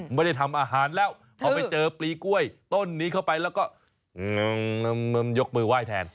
ไม่ได้ทำอาหารแล้วพอไปเจอปลีกล้วยต้นนี้เข้าไปแล้วก็ยกมือไหว้แทน